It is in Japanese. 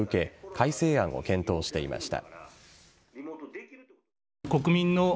改正案を検討していました。